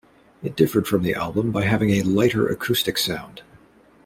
It differed from the album by having a lighter acoustic sound.